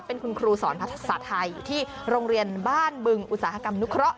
เป็นคุณครูสอนภาษาไทยอยู่ที่โรงเรียนบ้านบึงอุตสาหกรรมนุเคราะห